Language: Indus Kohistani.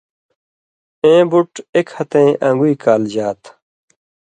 اېں بُٹ اېک ہتَیں اَن٘گُوئ کالژا تھہ۔